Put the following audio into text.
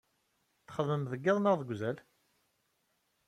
Txeddmem deg iḍ neɣ deg uzal?